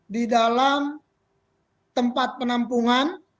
di dalam tempat penampungan